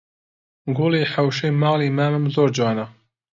گوڵی حەوشەی ماڵی مامم زۆر جوانە